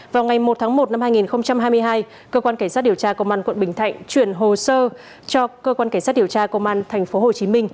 vào ngày một tháng một năm hai nghìn hai mươi hai cơ quan cảnh sát điều tra công an quận bình thạnh chuyển hồ sơ cho cơ quan cảnh sát điều tra công an tp hcm